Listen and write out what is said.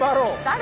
誰？